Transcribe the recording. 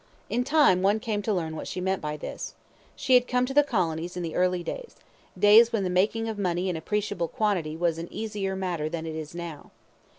In time one came to learn what she meant by this. She had come to the Colonies in the early days days when the making of money in appreciable quantity was an easier matter than it is now.